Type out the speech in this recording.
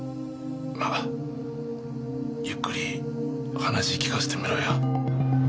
まあゆっくり話聞かせてみろや。